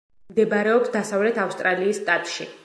მდებარეობს დასავლეთ ავსტრალიის შტატში.